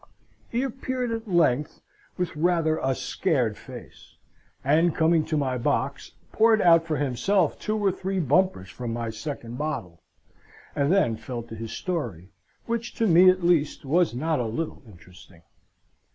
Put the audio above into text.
He appeared at length with rather a scared face; and, coming to my box, poured out for himself two or three bumpers from my second bottle, and then fell to his story, which, to me at least, was not a little interesting.